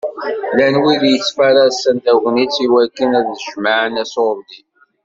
Llan wid yettfaṛaṣen tagnit i wakken ad d-jemεen aṣuṛdi.